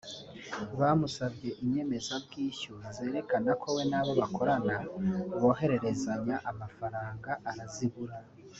Bamusabye inyemezabwishyu zerekana ko we n’abo bakorana bohererezanya amafaranga arazibura